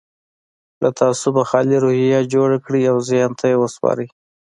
له تعصبه خالي روحيه جوړه کړئ او ذهن ته يې وسپارئ.